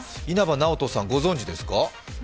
稲葉なおとさん、ご存じですか？